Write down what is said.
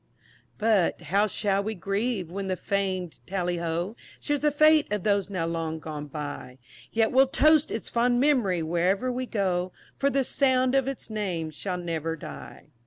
But, how shall we grieve, when the fam'd "Tally Ho," Shares the fate of those now long gone by? Yet we'll toast its fond mem'ry wherever we go, For the sound of its name shall ne'er die.